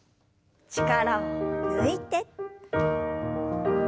力を抜いて。